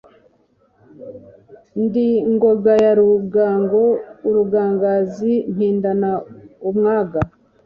Ndi ngoga ya Rugango, urugangazi mpindana umwaga.